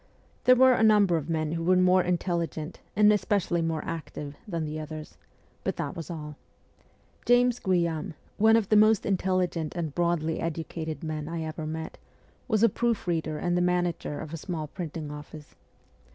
There were a number of men who were more intelligent, and especi ally more active, thant he others ; but that was all. James Guillaume, one of the most intelligent and broadly educated men I ever met, was a proof reader and the manager of a small printing office.